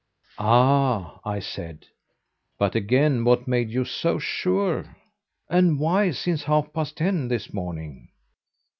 "Ah!" I said, "But, again what made you so sure? And why since half past ten this morning?"